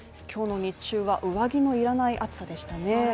今日の日中は上着の要らない暑さでしたね。